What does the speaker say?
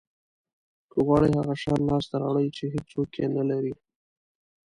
که غواړی هغه شیان لاسته راوړی چې هیڅوک یې نه لري